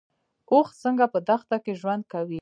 اوښ څنګه په دښته کې ژوند کوي؟